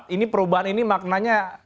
ini perubahan ini maknanya